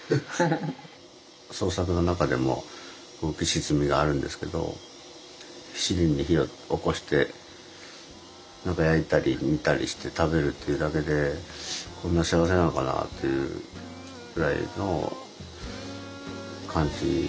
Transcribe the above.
創作の中でも浮き沈みがあるんですけど七輪に火をおこして何か焼いたり煮たりして食べるっていうだけでこんな幸せなのかなっていうぐらいの感じなんですよね。